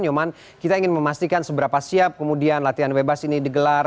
nyoman kita ingin memastikan seberapa siap kemudian latihan bebas ini digelar